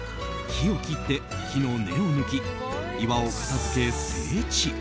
木を切って、木の根を抜き岩を片付け、整地。